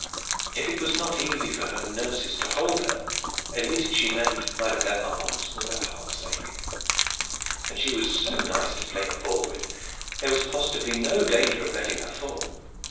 If it was not easy for her nurses to hold her, at least she made neither their arms nor their hearts ache. And she was so nice to play at ball with! There was positively no danger of letting her fall.